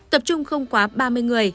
tập trung không quá ba mươi người